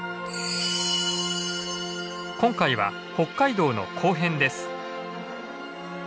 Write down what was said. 今回は北海道の後編です。